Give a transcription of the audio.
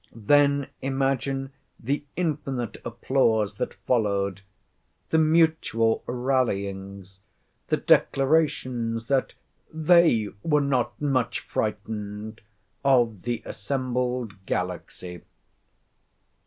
Then imagine the infinite applause that followed, the mutual rallyings, the declarations that "they were not much frightened," of the assembled galaxy.